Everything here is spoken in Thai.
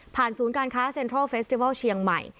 ศูนย์การค้าเซ็นทรัลเฟสติวัลเชียงใหม่